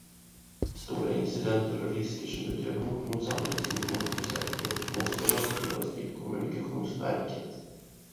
Stora incidenter och risker som utgör hot mot samhällets informationssäkerhet måste rapporteras till Kommunikationsverket.